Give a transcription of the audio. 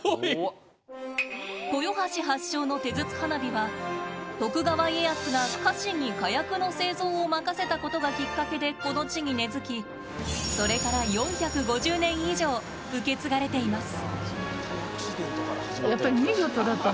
豊橋発祥の手筒花火は徳川家康が家臣に、火薬の製造を任せたことがきっかけでこの地に根づきそれから４５０年以上受け継がれています。